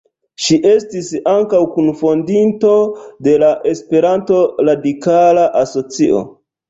Ŝi estis ankaŭ kunfondinto de la Esperanto Radikala Asocio.